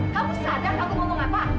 kamu di tempat aja kamu sadar kamu ngomong apa